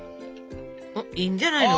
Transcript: いいんじゃないの？